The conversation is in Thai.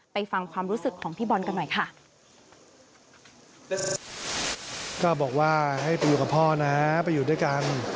ฟังความรู้สึกของพี่บอลกันหน่อยค่ะ